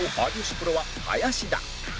プロは林田